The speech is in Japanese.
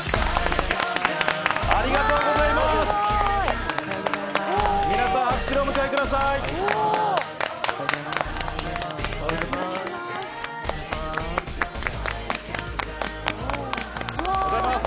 ありがとうおはようございます。